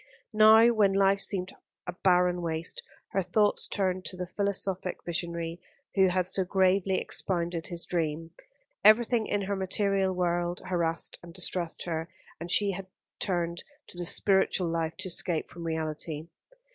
Now, when life seemed a barren waste, her thoughts turned to the philosophic visionary who had so gravely expounded his dream. Everything in her material world harassed and distressed her, and she turned to the spiritual life to escape from reality.